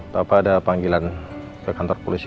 tanpa ada panggilan ke kantor polisi